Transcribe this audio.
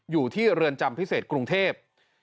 อยู่ที่เรือนจำพิเศษกรุงเทพ